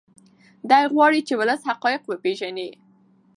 دی غواړي چې ولس حقایق وپیژني.